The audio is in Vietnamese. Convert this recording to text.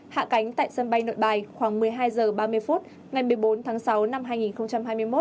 hạ cánh tại sân bay nội bài khoảng một mươi hai h ba mươi phút ngày một mươi bốn tháng sáu năm hai nghìn hai mươi một